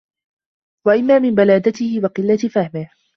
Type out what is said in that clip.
وَإِمَّا مِنْ بَلَادَتِهِ وَقِلَّةِ فَهْمِهِ